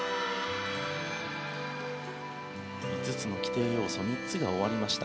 ５つの規定要素３つが終わりました。